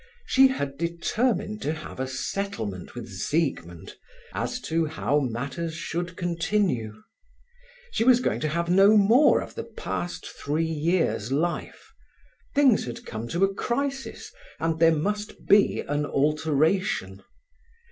She had determined to have a settlement with Siegmund, as to how matters should continue. She was going to have no more of the past three years' life; things had come to a crisis, and there must be an alteration.